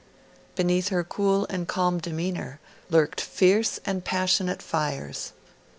Beneath her cool and calm demeanour lurked fierce and passionate fires.